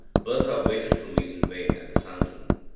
Bertha waited for me in vain at the fountain.